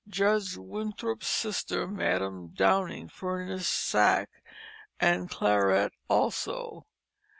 Judge Winthrop's sister, Madam Downing, furnished sack and claret also.